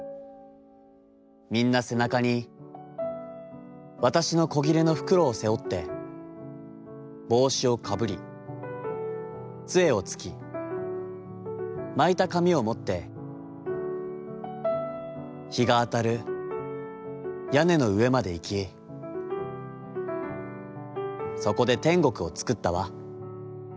みんな背中に、わたしの小布の袋を背負って、帽子をかぶり、杖をつき、巻いた紙をもって、日があたる屋根の上までいき、そこで天国をつくったわ』。